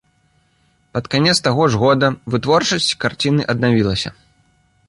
Пад канец таго ж года вытворчасць карціны аднавілася.